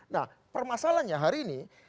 nah permasalahnya hari ini